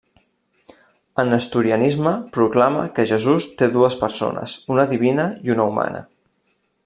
El nestorianisme proclama que Jesús té dues persones, una divina i una humana.